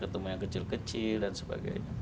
ketemu yang kecil kecil dan sebagainya